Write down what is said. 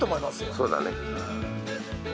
そうだね。